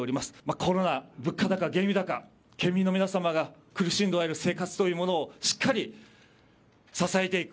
コロナ、物価高、原油高県民の皆様が苦しんでおられる生活というものをしっかり支えていく。